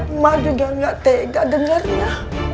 emak juga gak tega dengarnya